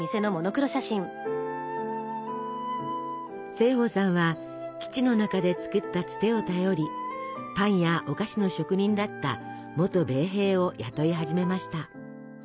盛保さんは基地の中で作ったツテを頼りパンやお菓子の職人だった元米兵を雇い始めました。